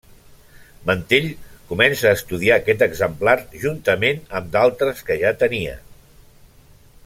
Mantell començà a estudiar aquest exemplar juntament amb d'altres que ja tenia.